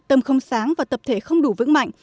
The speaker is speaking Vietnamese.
tâm không sáng và tập thể không đủ vững mạnh